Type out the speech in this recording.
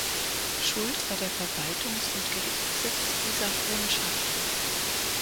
Schuld war der Verwaltungs- und Gerichtssitz dieser Honschaften.